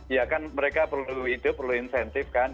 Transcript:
ya kan mereka perlu hidup perlu insentif kan